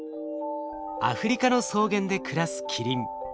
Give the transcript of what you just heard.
アフリカの草原で暮らすキリン。